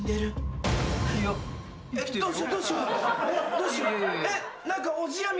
どうしよう。